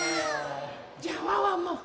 じゃあワンワンも。